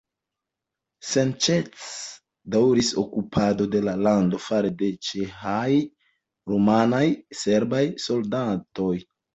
Senĉese daŭris okupado de la lando fare de ĉeĥaj, rumanaj, serbaj soldatoj.